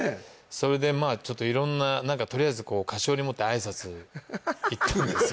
それでまあちょっと色んなとりあえずこう菓子折持って挨拶行ったんですよ